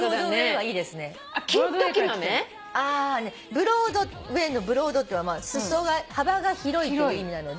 ブロードウェイのブロードってのは幅が広いという意味なので。